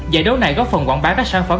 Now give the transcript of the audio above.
giải đấu này góp phần quảng bá các sản phẩm